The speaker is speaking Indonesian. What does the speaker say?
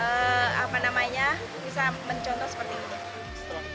sehingga bisa mencontoh seperti itu